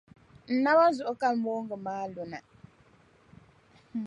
N-naba zuɣu ka moongu maa luna.